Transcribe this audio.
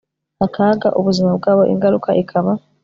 akaga ubuzima bwabo ingaruka ikaba